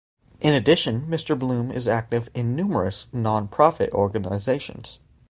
In addition, Mr. Blum is active in numerous non-profit organizations.